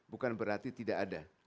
bukan berarti tidak ada